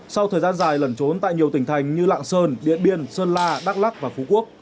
sau thời gian dài lẩn trốn tại nhiều tỉnh thành như lạng sơn điện biên sơn la đắk lắc và phú quốc